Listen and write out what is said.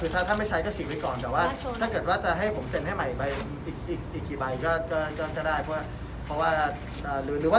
ถ้าไม่ใช้ก็ฉีกไว้ก่อนแต่ว่าถ้าเกิดว่าจะให้ผมเซ็นให้ใหม่อีกกี่ใบก็ได้